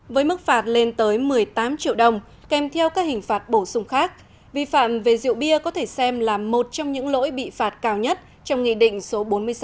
với mức phạt lên tới một mươi tám triệu đồng kèm theo các hình phạt bổ sung khác vi phạm về rượu bia có thể xem là một trong những lỗi bị phạt cao nhất trong nghị định số bốn mươi sáu